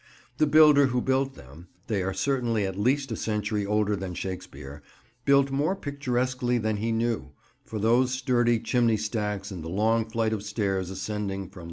The builder who built them—they are certainly at least a century older than Shakespeare—built more picturesquely than he knew, with those sturdy chimney stacks and the long flight of stairs ascending from the road.